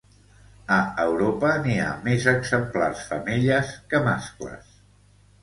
A Europa n'hi ha més exemplars femelles que mascles.